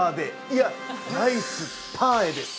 いや、ナイスパーエです。